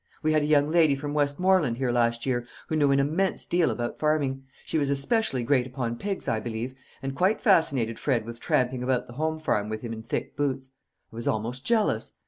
We had a young lady from Westmoreland here last year who knew an immense deal about farming. She was especially great upon pigs, I believe, and quite fascinated Fred by tramping about the home farm with him in thick boots. I was almost jealous.